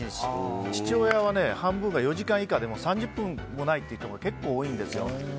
父親は半分が４時間以下で３０分もないっていうところが結構多いんですよ。